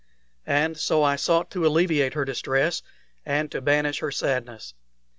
And so I sought to alleviate her distress and to banish her sadness.